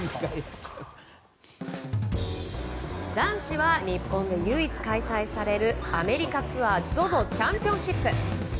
男子は日本で唯一開催されるアメリカツアーＺＯＺＯチャンピオンシップ。